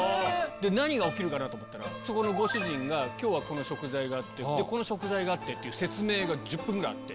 何が起きるかなと思ったらそこのご主人が今日はこの食材があってって説明が１０分ぐらいあって。